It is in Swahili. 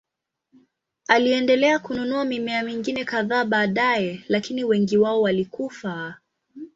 Aliendelea kununua mimea mingine kadhaa baadaye, lakini wengi wao walikufa.